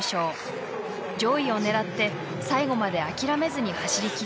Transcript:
上位を狙って最後まで諦めずに走り切ります。